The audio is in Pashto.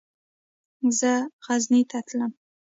زه غزني ته تلم.